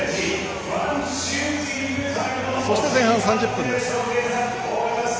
そして、前半３０分です。